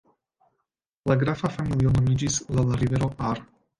La grafa familio nomiĝis laŭ la rivero Ahr.